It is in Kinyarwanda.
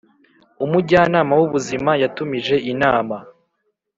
umujyanama w’ubuzima yatumije inama